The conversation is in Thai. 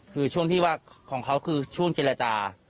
คือช่วงที่ว่าของเขาคือช่วงเจรจา